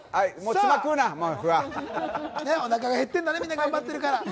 お腹が減っているんだね、みんな頑張っているから。